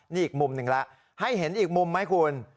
นี่อีกมุมหนึ่งแล้วให้เห็นอีกมุมไหมคุณ